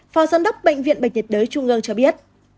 phò dân đốc bệnh viện bệnh nhiệt đới trung ương cho biết